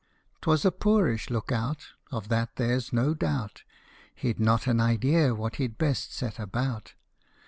'T was a poorish look out, Of that there 's no doubt ; He 'd not an idea what he 'd best set about.